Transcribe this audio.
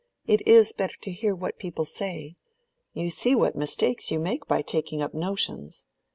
It is better to hear what people say. You see what mistakes you make by taking up notions.